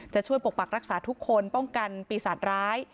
ช่วยปกปักรักษาทุกคนป้องกันปีศาจร้าย